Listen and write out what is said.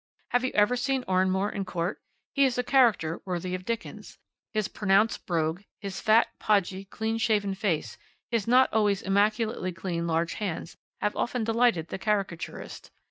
Have you ever seen Oranmore in court? He is a character worthy of Dickens. His pronounced brogue, his fat, podgy, clean shaven face, his not always immaculately clean large hands, have often delighted the caricaturist.